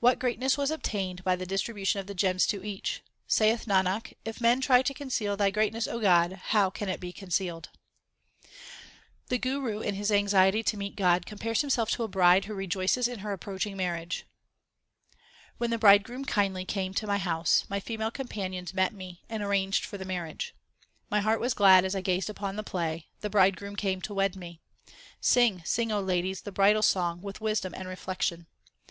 What greatness was obtained by the distribution of the gems to each ? Saith Nanak, if men try to conceal Thy greatness, God } how can it be concealed ? The Guru in his anxiety to meet God compares himself to a bride who rejoices in her approaching marriage : When the Bridegroom kindly came to my house, My female companions met me and arranged for the marriage. My heart was glad as I gazed upon the play ; the Bride groom came to wed me. Sing, sing, O ladies, the bridal song with wisdom and reflection.